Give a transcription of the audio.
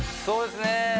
そうですね